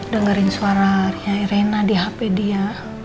dengerin suara rina di hp dia